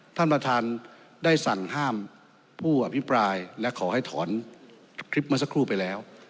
ท่านประธานได้สั่งห้ามผู้อภิปรายและขอให้ถอนคลิปเมื่อสักครู่ไปแล้ว